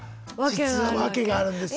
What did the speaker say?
実は訳があるんです